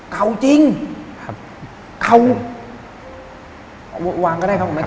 เก่าจริง